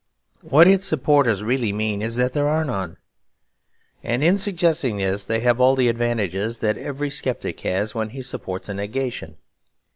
What its supporters really mean is that there are none. And in suggesting this, they have all the advantages that every sceptic has when he supports a negation.